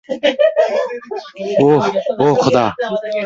ওহ, ওহ খোদা!